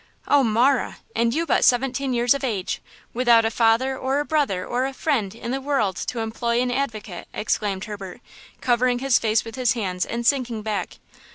"Oh, Marah! and you but seventeen years of age! without a father or a brother or a friend in the world to employ an advocate!" exclaimed Herbert, covering his face with his hands and sinking back.